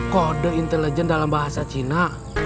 kode intelijen dalam bahasa cina